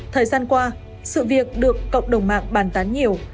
thời gian qua sự việc được cộng đồng mạng bàn tán nhiều